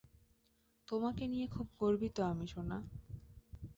তোমাকে নিয়ে খুব গর্বিত আমি, সোনা।